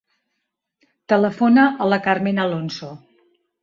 Telefona a la Carmen Alonso.